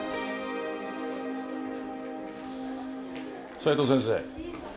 斉藤先生